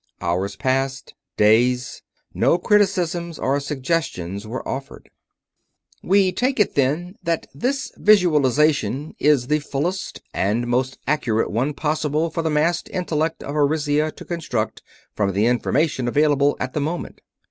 Hours passed. Days. No criticisms or suggestions were offered. "We take it, then, that this visualization is the fullest and most accurate one possible for the massed intellect of Arisia to construct from the information available at the moment.